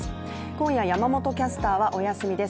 今夜、山本キャスターはお休みです。